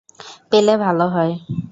পেলে ভালো হয়।